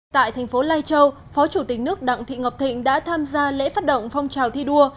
tại thành phố lai châu phó chủ tịch nước đặng thị ngọc thịnh đã tham gia lễ phát động phong trào thi đua